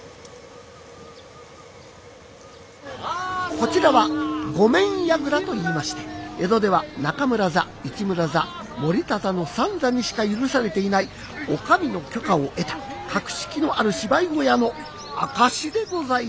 こちらは御免櫓といいまして江戸では中村座市村座森田座の三座にしか許されていないお上の許可を得た格式のある芝居小屋の証しでございます。